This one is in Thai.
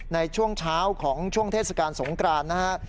ในช่วงเช้าของช่วงเทศกาลสงกรานนะฮะ